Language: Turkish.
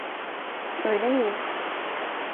Öyle miyim?